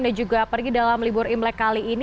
dan juga pergi dalam libur imlek kali ini